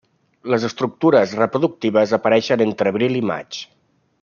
Les estructures reproductives apareixen entre abril i maig.